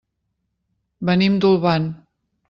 Venim d'Olvan.